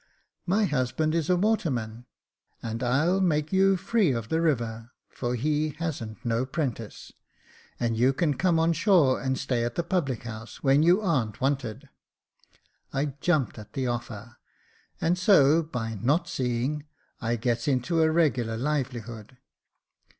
My husband is a waterman, and Jacob Faithful 207 I'll make you free of the river ; for he hasn't no 'prentice, and you can come on shore and stay at the public house, when you ar'n't wanted.' I jumped at the offer, and so, by not seeing, I gets into a regular livelihood.